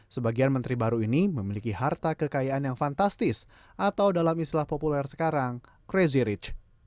sebagian menteri baru ini memiliki harta kekayaan yang fantastis atau dalam istilah populer sekarang crazy rich